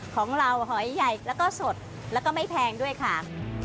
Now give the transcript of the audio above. ของเราหอยใหญ่แล้วก็สดแล้วก็ไม่แพงด้วยค่ะ